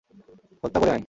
হত্যা করে আয়!